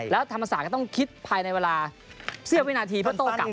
แล้วธรรมศาสตร์ก็ต้องคิดภายในเวลาเสี้ยววินาทีเพื่อโต้กลับ